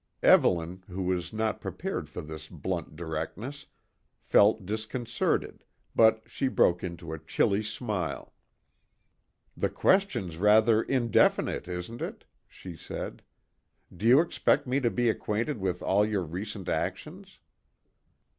Evelyn, who was not prepared for this blunt directness, felt disconcerted, but she broke into a chilly smile. "The question's rather indefinite, isn't it?" she said. "Do you expect me to be acquainted with all your recent actions?"